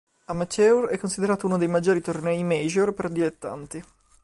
Amateur è considerato uno dei due tornei major per dilettanti.